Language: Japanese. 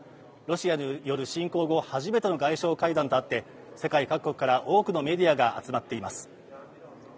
ロシアによる侵攻後初めての外相会談とあって世界各国から多くのメディアが集まっています。